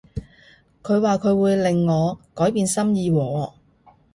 佢話佢會令我改變心意喎